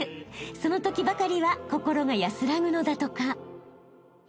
［そのときばかりは心が安らぐのだとか］